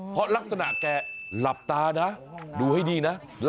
เพราะลักษณะแกหลับตานะดูให้ดีนะ